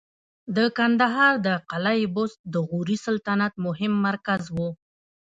د کندهار د قلعه بست د غوري سلطنت مهم مرکز و